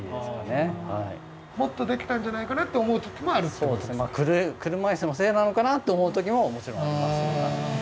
もっとできたんじゃないかなって思う時もあるってことですか？って思う時ももちろんありますね。